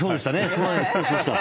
すみません失礼しました。